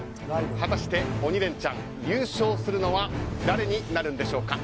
果たして、「鬼レンチャン」優勝するのは誰になるのでしょうか。